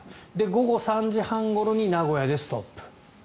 午後３時半ごろに名古屋でストップ。